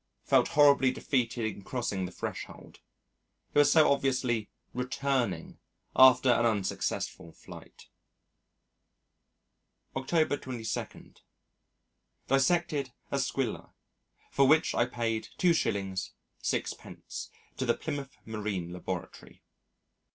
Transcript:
Felt horribly defeated in crossing the threshold. It was so obviously returning after an unsuccessful flight. October 22. Dissected a Squilla for which I paid 2s. 6d. to the Plymouth Marine Laboratory.